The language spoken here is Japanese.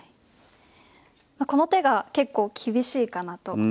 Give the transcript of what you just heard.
この手が結構厳しいかなと。